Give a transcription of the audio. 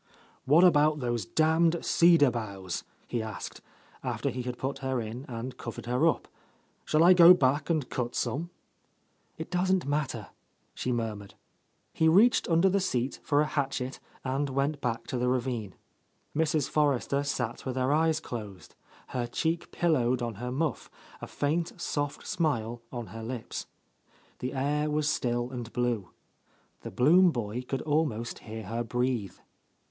"What about those damaed cedar boughs?" he asked, after he had put her in and covered her up. "Shall I go back and cut some ?" "It doesn't matter," she murmured. He reached under the seat for a hatchet and went back to the ravine. Mrs. Forrester sat with her eyes closed, her cheek pillowed on her muff, a faint, soft smile on her lips. The air was still and blue; the Blum boy could almost hear her breathe.